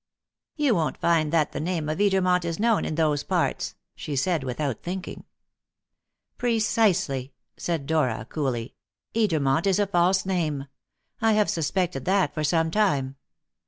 "You won't find that the name of Edermont is known in those parts," she said, without thinking. "Precisely," said Dora coolly. "Edermont is a false name. I have suspected that for some time.